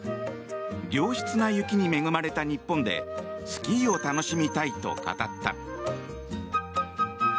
良質な雪に恵まれた日本でスキーを楽しみたいと語った。